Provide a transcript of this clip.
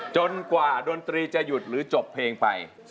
จนกว่าดนตรีจะหยุดหรือจบเพลงไป